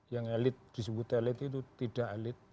yang elit disebut elit itu tidak elit